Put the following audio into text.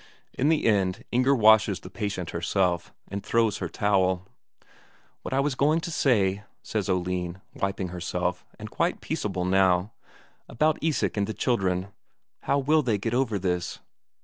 In the end, Inger washes the patient herself, and throws her a towel. "What I was going to say," says Oline, wiping herself, and quite peaceable now. "About Isak and the children how will they get over this?"